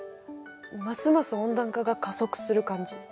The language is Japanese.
ますます温暖化が加速する感じ。